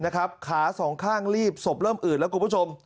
ขาสองข้างลีบสบเริ่มอืดครับคุณผู้ชม